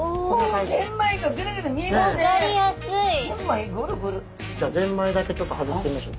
じゃあゼンマイだけちょっと外してみましょう。